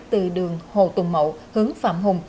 từ đường hồ tùng mậu hướng phạm hùng